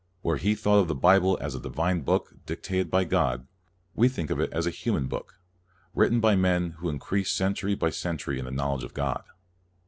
Where he thought of the Bible as a divine book, dictated by God, we think of it as a human book, writ ten by men who increased century by cen tury in the knowledge of God.